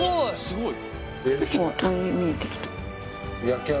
すごい！